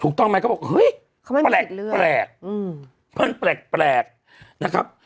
ถูกต้องไหมเขาบอกเฮ้ยแปลกนะครับ